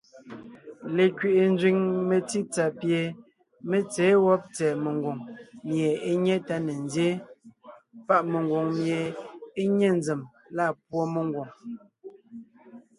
Lekẅiʼi nzẅìŋ metsítsà pie mé tsěen wɔ́b tsɛ̀ɛ megwòŋ mie é nyé tá ne nzyéen páʼ mengwòŋ mie é nye nzèm lâ púɔ mengwòŋ.